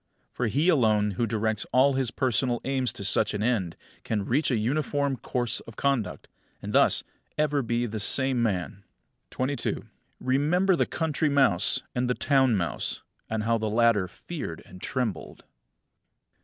For he alone who directs all his personal aims to such an end can reach a uniform course of conduct, and thus be ever the same man. 22. Remember the country mouse and the town mouse; and how the latter feared and trembled.